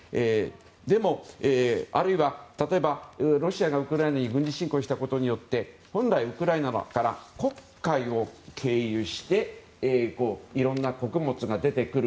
でも、例えばロシアがウクライナに軍事侵攻したことによって本来ウクライナから黒海を経由していろんな穀物が出てくる。